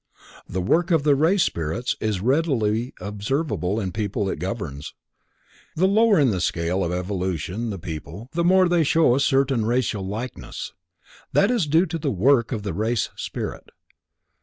The work of the race spirits is readily observable in the people it governs. The lower in the scale of evolution the people, the more they show a certain racial likeness. That is due to the work of the race spirit.